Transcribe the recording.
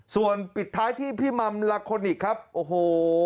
ส่วนปิดท้ายที่พี่ม่ำลักคลนิกครับโอ๋โห